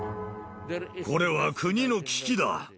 これは国の危機だ。